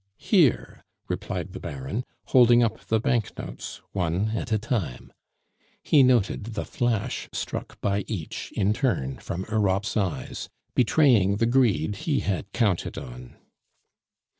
"Here," replied the Baron, holding up the banknotes, one at a time. He noted the flash struck by each in turn from Europe's eyes, betraying the greed he had counted on.